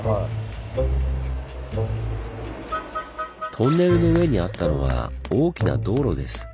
トンネルの上にあったのは大きな道路です。